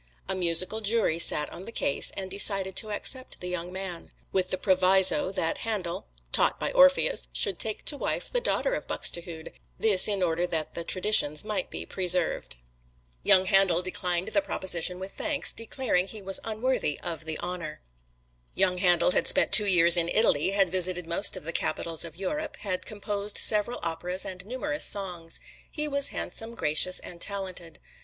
A musical jury sat on the case, and decided to accept the young man, with the proviso that Handel (taught by Orpheus) should take to wife the daughter of Buxtehude this in order that the traditions might be preserved. Young Handel declined the proposition with thanks, declaring he was unworthy of the honor. Young Handel had spent two years in Italy, had visited most of the capitals of Europe, had composed several operas and numerous songs. He was handsome, gracious and talented.